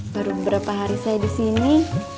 baru beberapa hari saya disini